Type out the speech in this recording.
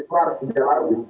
itu harus dijalankan